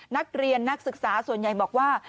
นักเรียนนักศึกษาส่วนใหญ่บอกว่า